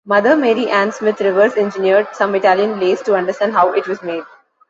Mother Mary Ann Smith reverse-engineered some Italian lace to understand how it was made.